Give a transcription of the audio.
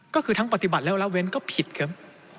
ก็คือทั้งปฏิบัติแล้วละเว้นก็ผิดครับ